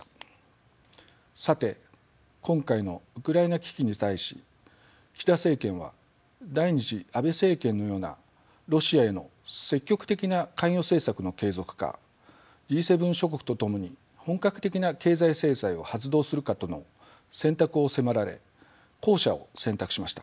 さて今回のウクライナ危機に際し岸田政権は第２次安倍政権のようなロシアへの積極的な関与政策の継続かＧ７諸国と共に本格的な経済制裁を発動するかとの選択を迫られ後者を選択しました。